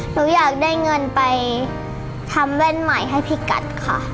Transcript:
หนูอยากได้เงินไปทำแว่นใหม่ให้พี่กัดค่ะ